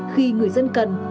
khi người dân cần